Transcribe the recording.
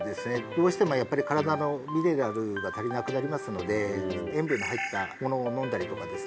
どうしてもやっぱり身体のミネラルが足りなくなりますので塩分の入ったものを飲んだりとかですね